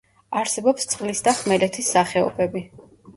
არსებობს წყლის და ხმელეთის სახეობები.